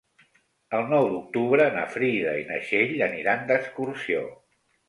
El nou d'octubre na Frida i na Txell aniran d'excursió.